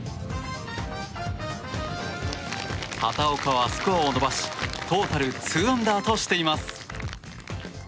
畑岡はスコアを伸ばしトータル２アンダーとしています。